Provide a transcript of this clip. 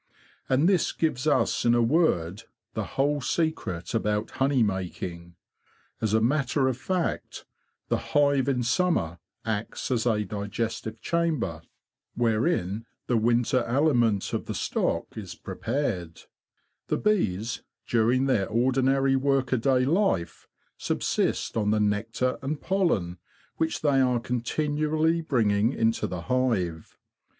And this gives us in a word the whole secret about honey making. As a matter of fact, the hive in summer acts as a digestive chamber, wherein the winter aliment of the stock is CONCERNING HONEY III prepared. The bees, during their ordinary work aday life, subsist on the nectar and pollen which they are continually bringing into the hive.